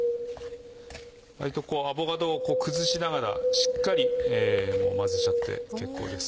割とアボカドをこう崩しながらしっかり混ぜちゃって結構です。